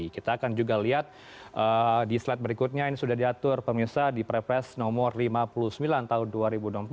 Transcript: kita akan juga lihat di slide berikutnya ini sudah diatur pemirsa di perpres nomor lima puluh sembilan tahun dua ribu dua puluh empat